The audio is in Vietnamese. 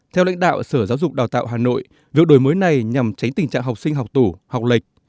theo lãnh đạo sở giáo dục đào tạo hà nội việc đổi mới này nhằm tránh tình trạng học sinh học tủ học lịch